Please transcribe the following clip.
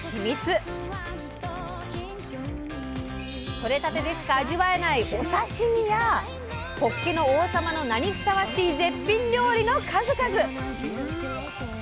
とれたてでしか味わえないお刺身やほっけの王様の名にふさわしい絶品料理の数々。